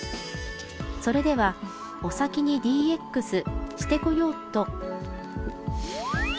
それではお先にＤＸしてこようっと。